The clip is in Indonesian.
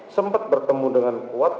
sempat bertemu dengan kuat